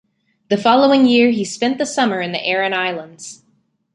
The following year he spent the summer in the Aran Islands.